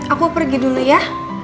aku pergi dulu ya